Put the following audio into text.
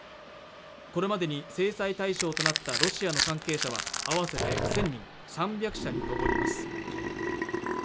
これまでに制裁対象となったロシアの関係者は合わせて１０００人３００社に上ります